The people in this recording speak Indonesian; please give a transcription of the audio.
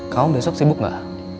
kamu besok sibuk gak